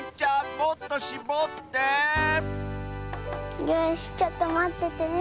もっとしぼってよしちょっとまっててね。